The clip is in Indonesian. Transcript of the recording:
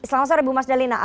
selamat sore bu mas dalina